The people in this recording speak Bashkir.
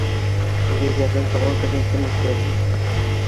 Үгәйҙәрҙең тыуған көнөн кем үткәрһен?!